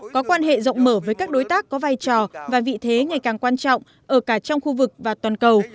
có quan hệ rộng mở với các đối tác có vai trò và vị thế ngày càng quan trọng ở cả trong khu vực và toàn cầu